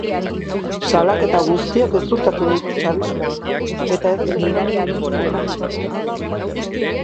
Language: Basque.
Salaketa guztiak gezurtatu ditu chavismoak, eta edozein erantzukizun ukatu du.